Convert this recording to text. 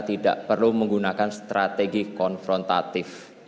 tidak perlu menggunakan strategi konfrontatif